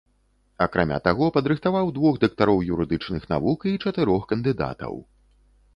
Акрамя таго падрыхтаваў двух дактароў юрыдычных навук і чатырох кандыдатаў.